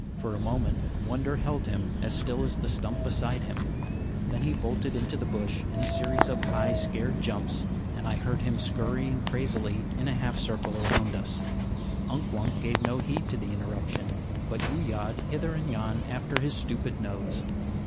For a moment wonder held him as still as the stump beside him; then he bolted into the bush in a series of high, scared jumps, and I heard him scurrying crazily in a half circle around us. Unk Wunk gave no heed to the interruption, but yew yawed hither and yon after his stupid nose.